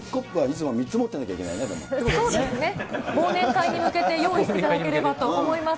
忘年会に向けて用意していただければと思います。